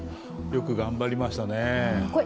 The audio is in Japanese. よく頑張りましたね。